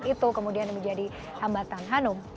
itu kemudian menjadi hambatan hanum